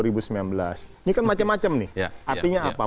ini kan macam macam nih artinya apa